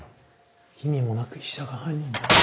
意味もなく医者が犯人だなんて。